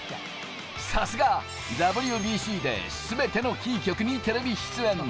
さすがＷＢＣで全てのキー局にテレビ出演。